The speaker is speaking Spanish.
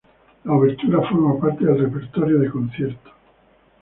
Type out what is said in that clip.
La obertura forma parte del repertorio de concierto.